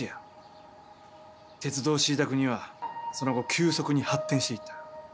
鉄道を敷いた国はその後急速に発展していった。